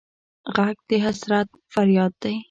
غږ د حسرت فریاد دی